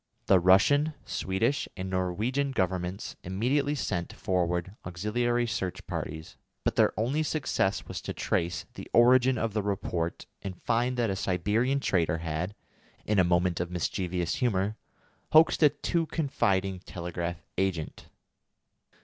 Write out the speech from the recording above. The Russian, Swedish, and Norwegian Governments immediately sent forward auxiliary search parties, but their only success was to trace the origin of the report, and find that a Siberian trader had, in a moment of mischievous humour, hoaxed a too confiding telegraph agent.